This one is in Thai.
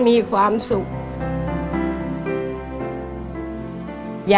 มันต้องการแล้วก็หายให้มัน